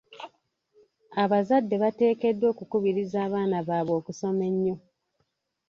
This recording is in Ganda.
Abazadde bateekeddwa okukubiriza abaana baabwe okusoma ennyo.